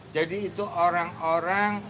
jadi itu orang orang